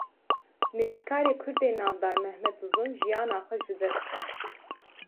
Nivîskarê Kurd ê navdar 'Mehmed Uzun, jîyana xwe ji dest da